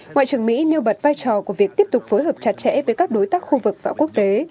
ngoại trưởng mỹ nêu bật vai trò của việc tiếp tục phối hợp chặt chẽ với các đối tác khu vực và quốc tế